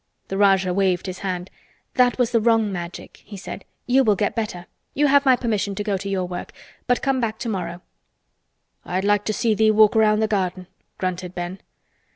The Rajah waved his hand. "That was the wrong Magic," he said. "You will get better. You have my permission to go to your work. But come back tomorrow." "I'd like to see thee walk round the garden," grunted Ben.